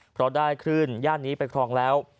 เพราะได้คลื่นย่านนี้ไปครองแล้ว